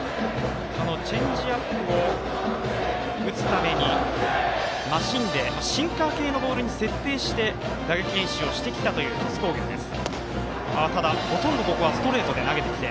チェンジアップを打つために、マシーンでシンカー系のボールに設定して打撃練習をしてきたという鳥栖工業です。